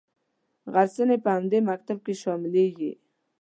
غرڅنۍ په همدې مکتب کې شاملیږي.